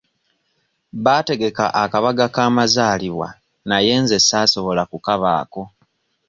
Baategeka akabaga k'amazaalibwa naye nze saasobola kukabaako.